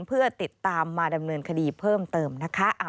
เพื่อติดตามมาดำเนินคดีเพิ่มเติมนะคะ